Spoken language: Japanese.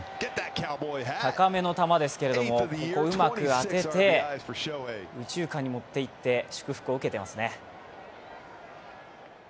高めの球ですけどここうまく当てて右中間に持っていって祝福を受けてますね。